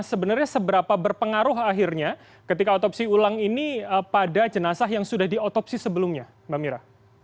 sebenarnya seberapa berpengaruh akhirnya ketika otopsi ulang ini pada jenazah yang sudah diotopsi sebelumnya mbak mira